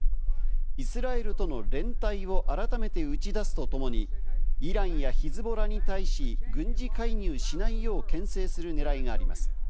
イスラエルとの連帯を改めて打ち出すとともに、イランやヒズボラに対し、軍事介入しないようけん制する狙いがあります。